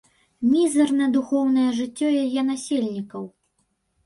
Мізэрна духоўнае жыццё яе насельнікаў.